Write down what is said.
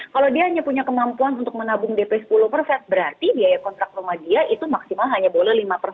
kalau dia hanya punya kemampuan untuk menabung dp sepuluh berarti biaya kontrak rumah dia itu maksimal hanya boleh lima